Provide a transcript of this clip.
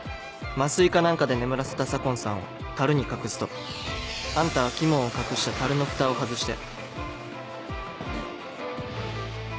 麻酔か何かで眠らせた左紺さんを樽に隠すとあんたは鬼門を隠した樽の蓋を外して。